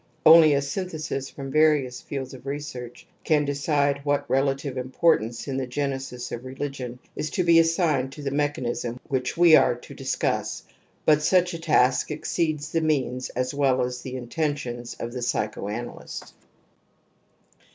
\ Only a synthesis from various fields of research V can decide what relative importance in the gene "^^is of religion is to be assigned to the mechanism which we are to discuss ; but such a task exceeds the means as well as the intentions of the psychoanalyst.